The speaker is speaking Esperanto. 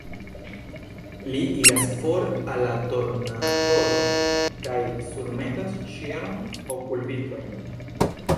Li iras for al la tornatoro kaj surmetas ŝirm-okulvitrojn.